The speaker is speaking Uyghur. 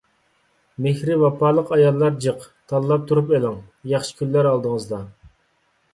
مېھرى ۋاپالىق ئاياللار جىق. تاللاپ تۇرۇپ ئېلىڭ! ياخشى كۈنلەر ئالدىڭىزدا.